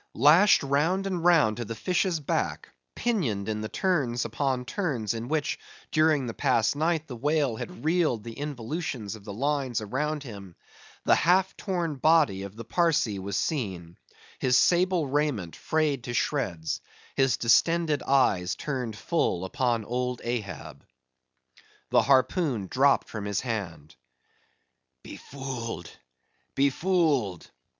Lashed round and round to the fish's back; pinioned in the turns upon turns in which, during the past night, the whale had reeled the involutions of the lines around him, the half torn body of the Parsee was seen; his sable raiment frayed to shreds; his distended eyes turned full upon old Ahab. The harpoon dropped from his hand. "Befooled, befooled!"